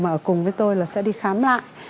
mà cùng với tôi là sẽ đi khám lại